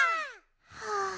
はあ